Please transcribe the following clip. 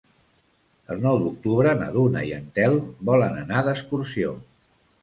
El nou d'octubre na Duna i en Telm volen anar d'excursió.